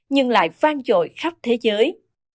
nhưng lại vang trội khắp thế giới